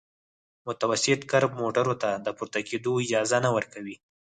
متوسط کرب موټرو ته د پورته کېدو اجازه نه ورکوي